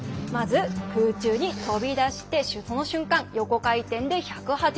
まず、空中に飛び出してその瞬間横回転で１８０度。